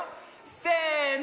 せの。